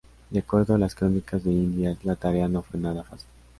De acuerdo a las crónicas de Indias la tarea no fue nada fácil.